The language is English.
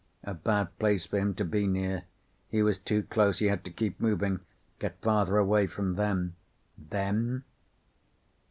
A bad place for him to be near. He was too close. He had to keep moving, get farther away from them. _Them?